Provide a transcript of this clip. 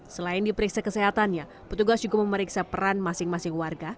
selain diperiksa kesehatannya petugas juga memeriksa peran masing masing warga